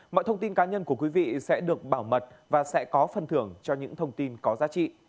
mọi thông tin cá nhân của quý vị sẽ được bảo mật và sẽ có phần thưởng cho những thông tin có giá trị